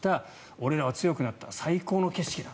俺らは強くなった最高の景色だ